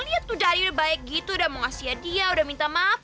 liat tuh dari udah baik gitu udah mau ngasih hadiah udah minta maaf